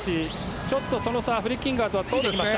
ちょっとその差フリッキンガーとは開いていきました。